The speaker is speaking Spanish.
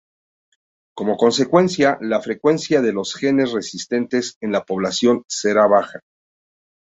Como consecuencia, la frecuencia de los genes resistentes en la población será baja.